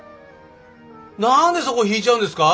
何でそこ引いちゃうんですか？